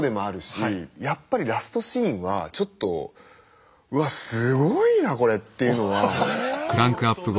やっぱりラストシーンはちょっとうわっすごいなこれっていうのは。